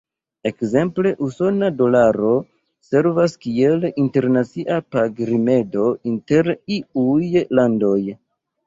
Ekzemple, usona dolaro servas kiel internacia pag-rimedo inter iuj landoj.